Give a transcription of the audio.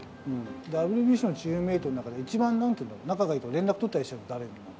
ＷＢＣのチームメートの中で、一番仲がいい、連絡取ったりしてるの誰なの？